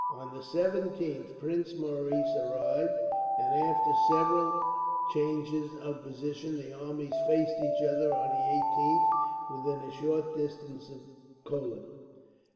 On the 17th Prince Maurice arrived, and after several changes of position the armies faced each other on the 18th, within a short distance of Kolin.